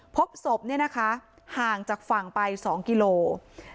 พบศพห่างจากฝั่งไป๒กิโลเมตร